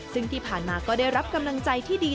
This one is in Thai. ซึ่งที่ผ่านมาก็ได้รับกำลังใจที่ดี